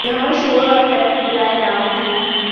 جہاں شور اور ٹریفک برائے نام تھی۔